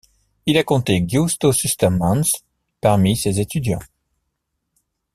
Il a compté Giusto Sustermans parmi ses étudiants.